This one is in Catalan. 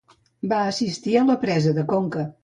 Va assistir a la presa de Conca.